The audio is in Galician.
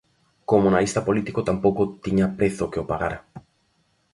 Como analista político tampouco tiña prezo que o pagara.